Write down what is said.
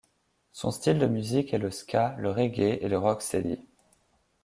Son style de musique est le ska, le reggae et le rocksteady.